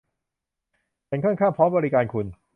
ฉันค่อนข้างพร้อมบริการคุณ